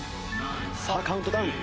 さあカウントダウン。